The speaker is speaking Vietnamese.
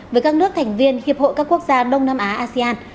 với các nước thành viên hiệp hội các quốc gia đông nam á asean